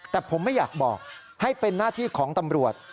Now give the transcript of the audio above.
แต่ผมไม่อยากบอกให้เป็นหน้าที่ของตำรวจ